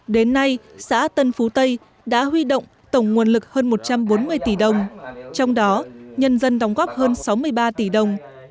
đến nay xã tân phú tây đã huy động tổng nguồn lực hơn một trăm bốn mươi tỷ đồng trong đó nhân dân đóng góp hơn sáu mươi ba tỷ đồng